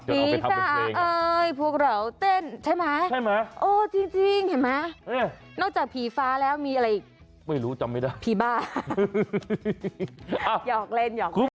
ผีฟ้าพวกเราเต้นใช่ไหมเออจริงเห็นไหมนอกจากผีฟ้าแล้วมีอะไรอีกพี่บ้ายอกเล่น